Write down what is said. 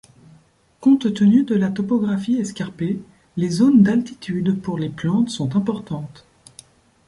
Compte tenu de la topographie escarpée, les zones d'altitude pour les plantes sont importantes.